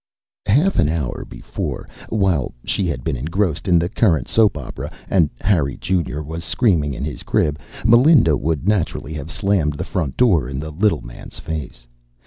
_ Half an hour before, while she had been engrossed in the current soap opera and Harry Junior was screaming in his crib, Melinda would naturally have slammed the front door in the little man's face.